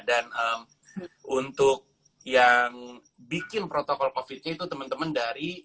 dan untuk yang bikin protokol covidnya itu temen temen dari